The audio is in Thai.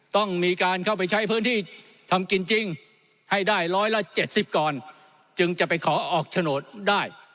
ต้องมีการเข้าไปใช้พื้นที่ทำกินจริงให้ได้ร้อยละ๗๐ก่อนจึงจะไปขอออกโฉนดได้